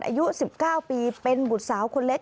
อายุ๑๙ปีเป็นบุตรสาวคนเล็ก